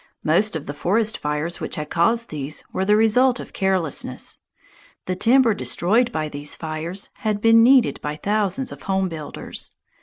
Most of the forest fires which had caused these were the result of carelessness. The timber destroyed by these fires had been needed by thousands of home builders.